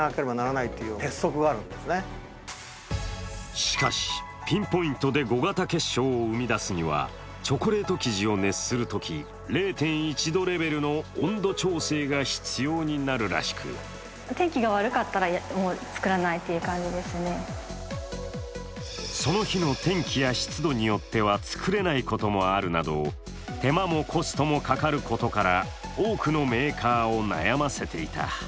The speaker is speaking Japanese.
しかし、ピンポイントで５型結晶を生み出すにはチョコレート生地を熱するとき０．１度レベルの温度調整が必要になるらしくその日の天気や湿度によっては作れないこともあるなど、手間もコストもかかることから多くのメーカーを悩ませていた。